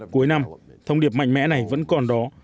cuối năm thông điệp mạnh mẽ này vẫn còn đó